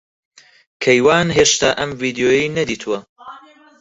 کەیوان ھێشتا ئەم ڤیدیۆیەی نەدیتووە.